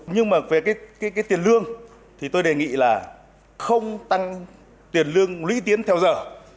nhưng mà về tiền lương thì tôi đề nghị là không tăng tiền lương lưỡi tiến theo giờ